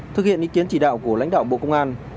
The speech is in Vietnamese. thực hiện ý kiến chỉ đạo của lãnh đạo bộ công an